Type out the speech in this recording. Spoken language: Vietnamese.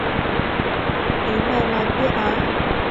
Ý mày là kìa á